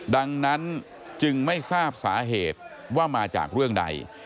ดังนั้นจึงไม่ทราบสาเหตุว่ามาจากเรื่องใด